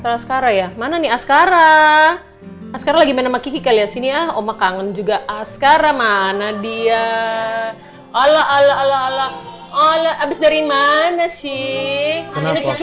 farah ascara ya mana nih ascara ascara lagi mana sama kiki kali ya sini ya oma kangen juga ascara mana dia ala ala ala ala ala ala abis dari mana sih